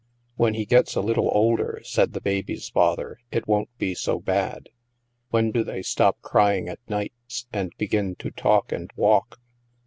" When he gets a little older," said the baby's father, " it won't be so bad. When do they stop crying at nights, and begin to talk and walk?